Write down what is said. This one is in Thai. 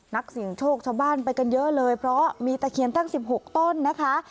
นักเสี่ยงโชคชาวบ้านไปกันเยอะเลยเพราะมีตะเคียนตั้ง๑๖ต้นนะคะ